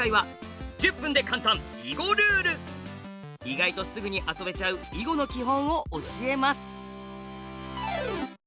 意外とすぐに遊べちゃう囲碁の基本を教えます。